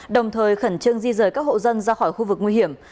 đồng thời khẩn trương di rời các hộ dân ra khỏi khu vực nguy hiểm